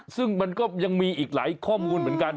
ซึ่งมันก็ยังมีอีกหลายข้อมูลเหมือนกัน